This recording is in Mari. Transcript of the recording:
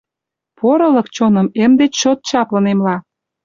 Порылык чоным эм деч чот чаплын эмла.